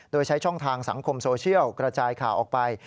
โดยใช้ช่องทางสังคมโซเชียลกระจายข่าวออกไป